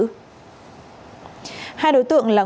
hai đối tượng là nguyễn xuân lý và nguyễn xuân lý